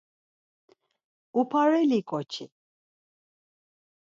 Upareli ǩoçi.